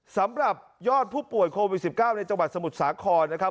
สำหรับยอดผู้ป่วยโควิด๑๙ในจังหวัดสมุทรสาครนะครับ